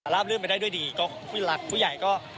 รับรื่นไปได้ด้วยดีก็คุณหลักคุณใหญ่ก็